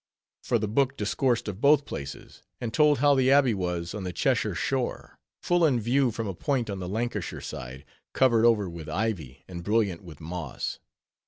For the book discoursed of both places, and told how the Abbey was on the Cheshire shore, full in view from a point on the Lancashire side, covered over with ivy, and brilliant with moss!